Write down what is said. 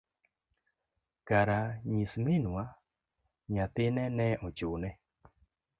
kara nyis Minwa, nyathine ne ochune.